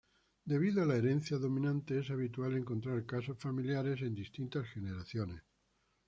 Debido a la herencia dominante es habitual encontrar casos familiares en distintas generaciones.